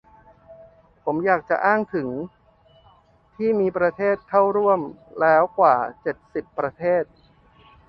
ผมอยากจะอ้างถึง ที่มีประเทศเข้าร่วมแล้วกว่า เจ็ดสิบ ประเทศ